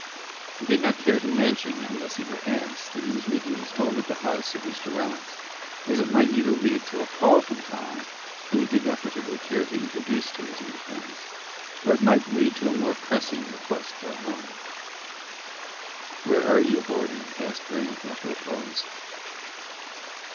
He did not care to mention, unless he were asked, that he was making his home at the house of Mr. Reynolds, as it might either lead to a call from Tom, whom he did not particularly care to introduce to his new friends, or might lead to a more pressing request for a loan. "Where are you boarding?" asked Grant, after a pause.